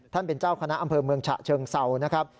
เป็นเจ้าคณะอำเภอเมืองฉะเชิงเศร้านะครับ